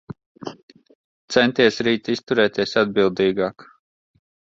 Centies rīt izturēties atbildīgāk.